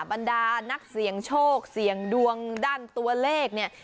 บรรดานักเสี่ยงโชคเสี่ยงดวงด้านตัวเลขเนี่ย